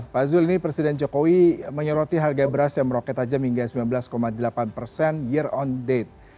pak zul ini presiden jokowi menyoroti harga beras yang meroket tajam hingga sembilan belas delapan persen year on date